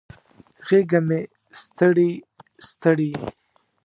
غیږه مې ستړي، ستړي